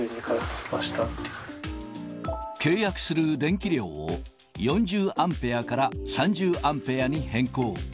契約する電気量を、４０アンペアから３０アンペアに変更。